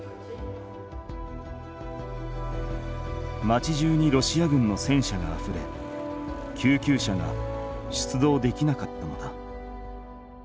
町中にロシア軍の戦車があふれ救急車が出動できなかったのだ。